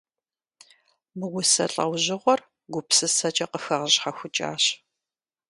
Мы усэ лӀэужьыгъуэр гупсысэкӏэ къыхэгъэщхьэхукӀащ.